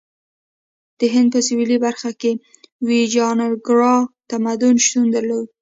د هند په سویلي برخه کې ویجایاناګرا تمدن شتون درلود.